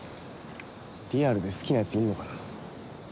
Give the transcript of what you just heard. リアルで好きなヤツいんのかな。